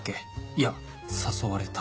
いや誘われた